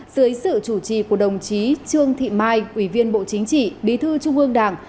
dưới sự chủ trì của đồng chí trương thị mai ủy viên bộ chính trị bí thư trung ương đảng